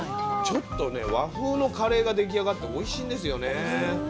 ちょっとね和風のカレーが出来上がっておいしいんですよね。